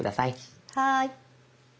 はい。